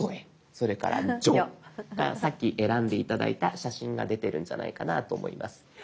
それから「じょ」さっき選んで頂いた写真が出てるんじゃないかなと思います。